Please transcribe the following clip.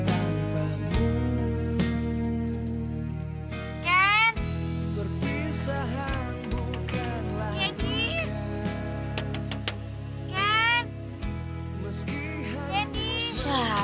pagi pagi udah ngotok ngotok jendela